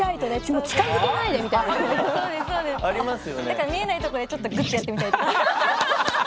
だから見えないところでちょっとグッてやってみたりとか。